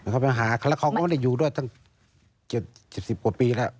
เขามาหาแล้วเขาก็ไม่ได้อยู่ด้วยตั้งเจ็บสิบกว่าปีแล้ว